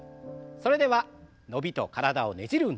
それでは伸びと体をねじる運動。